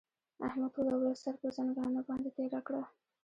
احمد ټوله ورځ سر پر ځنګانه باندې تېره کړه.